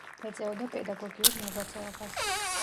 ეწეოდა პედაგოგიურ მოღვაწეობა.